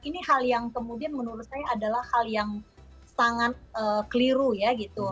ini hal yang kemudian menurut saya adalah hal yang sangat keliru ya gitu